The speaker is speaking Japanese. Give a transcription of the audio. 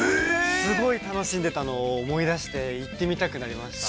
すごい楽しんでたのを思い出して、行ってみたくなりました。